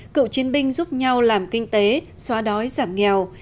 cựu chiến binh giúp nhau làm kinh tế xóa đói giảm nghèo